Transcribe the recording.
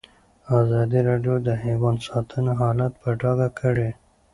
ازادي راډیو د حیوان ساتنه حالت په ډاګه کړی.